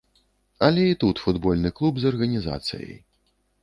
Але і тут футбольны клуб з арганізацыяй.